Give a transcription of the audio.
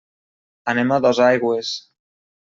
Anem a Dosaigües.